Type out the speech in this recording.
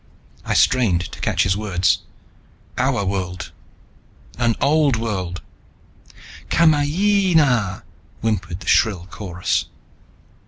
I strained to catch his words. "Our world ... an old world." "Kamayeeeeena," whimpered the shrill chorus.